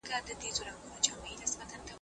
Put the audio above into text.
کلونه وروسته بېرته کابل ته راستانه شول.